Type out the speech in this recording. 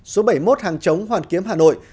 số bảy mươi một hàng chống hoàn kiếm hà nội